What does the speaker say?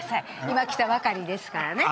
今来たばかりですからね。